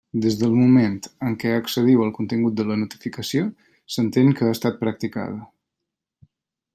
Des del moment en què accediu al contingut de la notificació, s'entén que ha estat practicada.